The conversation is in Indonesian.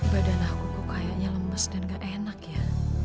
badan aku kok kayaknya lemes dan gak enak ya